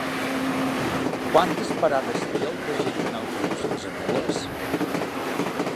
Quantes parades té el trajecte en autobús fins a Nules?